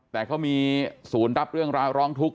แต่เขามีศูนย์รับเรื่องราวร้องทุกข